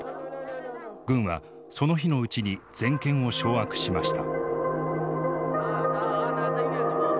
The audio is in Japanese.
軍はその日のうちに全権を掌握しました。